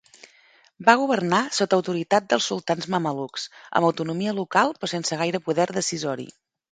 Va governar sota autoritat dels sultans mamelucs, amb autonomia local però sense gaire poder decisori.